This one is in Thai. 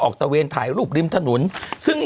ตะเวนถ่ายรูปริมถนนซึ่ง